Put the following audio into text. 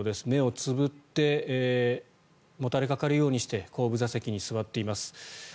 目をつぶってもたれかかるようにして後部座席に座っています。